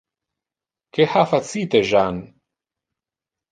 Que ha facite Jeanne?